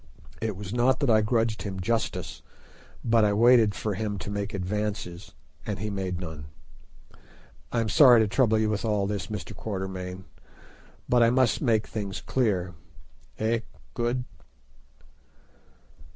It was not that I grudged him justice, but I waited for him to make advances, and he made none. I am sorry to trouble you with all this, Mr. Quatermain, but I must to make things clear, eh, Good?"